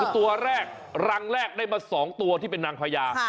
ตัวแรกรังแรกได้มา๒ตัวที่เป็นนางพญา